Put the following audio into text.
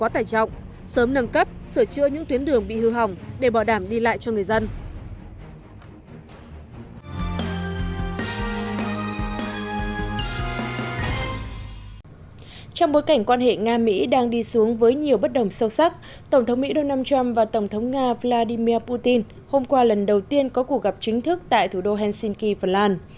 tổng thống mỹ donald trump và tổng thống nga vladimir putin hôm qua lần đầu tiên có cuộc gặp chính thức tại thủ đô helsinki phần lan